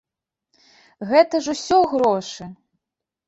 Гэта ж усё грошы.